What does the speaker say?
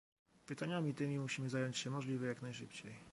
Pytaniami tymi musimy zająć się możliwie jak najszybciej